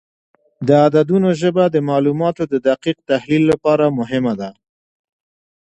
د عددونو ژبه د معلوماتو د دقیق تحلیل لپاره مهمه ده.